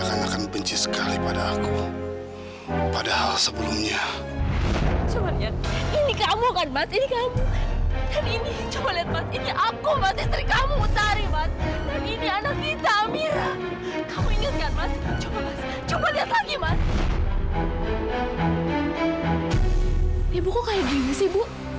ibu kok kayak gini sih ibu